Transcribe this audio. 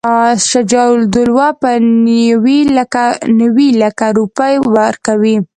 شجاع الدوله به نیوي لکه روپۍ ورکوي.